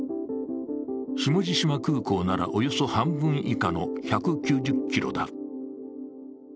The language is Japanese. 下地島空港なら、およそ半分以下の１９０ｋｍだ。